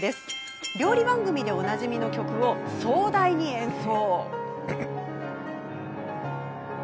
料理番組でおなじみの曲を壮大に演奏。